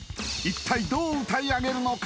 一体どう歌い上げるのか？